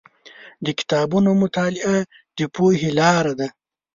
د کتابونو مطالعه د پوهې لاره ده.